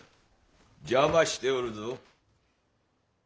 邪魔しておるぞ。